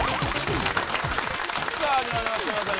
さあ始まりました皆さん